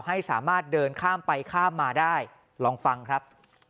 ให้สามารถเดินข้ามไปข้ามมาได้ลองฟังครับ